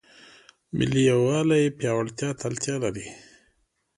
د ملي یووالي پیاوړتیا ته اړتیا ده.